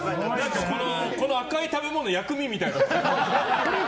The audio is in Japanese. この赤い食べ物の薬味みたいになってる。